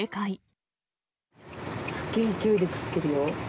すごい勢いで食ってるよ。